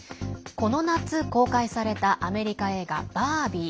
この夏、公開されたアメリカ映画「バービー」。